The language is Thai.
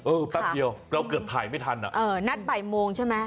เออแป๊บเดียวเราเกือบถ่ายไม่ทันนัดบ่ายโมงใช่มั้ย